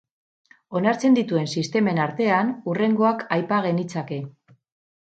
Onartzen dituen sistemen artean, hurrengoak aipa genitzake.